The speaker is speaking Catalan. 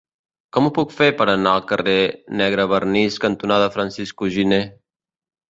Com ho puc fer per anar al carrer Negrevernís cantonada Francisco Giner?